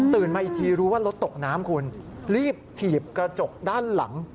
มาอีกทีรู้ว่ารถตกน้ำคุณรีบถีบกระจกด้านหลัง